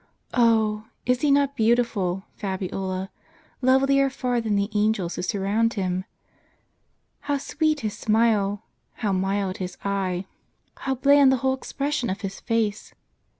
* Oh ! is He not beautiful, Fabiola, lovelier far than the angels who surround Him ! How sweet His smile ! how mild His eye ! how bland the whole expression of His face